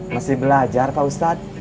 masih belajar pak ustadz